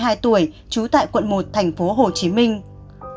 tại quận một thành phố hồ chí minh